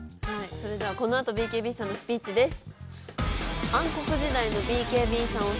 それではこのあとＢＫＢさんのスピーチです。